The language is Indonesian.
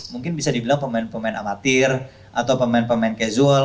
mungkin bisa dibilang pemain pemain amatir atau pemain pemain casual